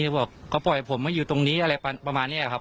ก็บอกให้ผมมาอยู่ตรงนี้อะไรประมาณนี้ครับ